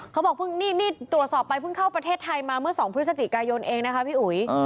เขาบอกเพิ่งนี่ตรวจสอบไปเพิ่งเข้าประเทศไทยมาเมื่อ๒พฤศจิกายนเองนะคะพี่อุ๋ย